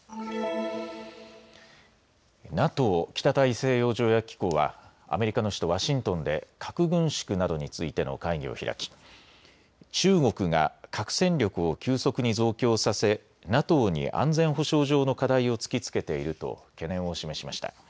ＮＡＴＯ・北大西洋条約機構はアメリカの首都ワシントンで核軍縮などについての会議を開き中国が核戦力を急速に増強させＮＡＴＯに安全保障上の課題を突きつけていると懸念を示しました。